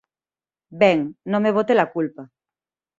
Ben, non me botes a culpa.